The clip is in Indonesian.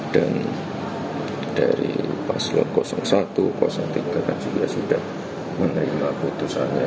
dan dari pasul satu tiga kan sudah menerima keputusannya